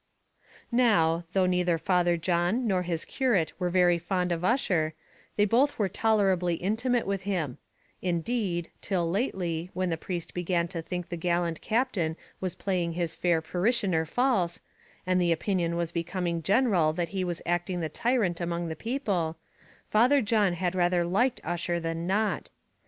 Now, though neither Father John nor his curate were very fond of Ussher, they both were tolerably intimate with him; indeed, till lately, when the priest began to think the gallant Captain was playing his fair parishioner false, and the opinion was becoming general that he was acting the tyrant among the people, Father John had rather liked Ussher than not.